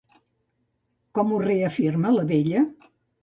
Com ho reafirma la vella?